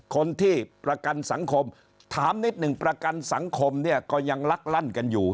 คนที่ประกันสังคมถามนิดหนึ่งประกันสังคมเนี่ยก็ยังลักลั่นกันอยู่